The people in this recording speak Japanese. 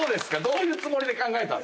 どういうつもりで考えた？